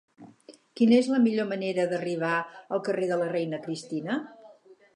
Quina és la millor manera d'arribar al carrer de la Reina Cristina?